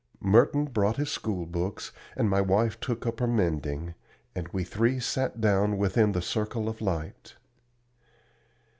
Merton brought his school books, and my wife took up her mending, and we three sat down within the circle of light.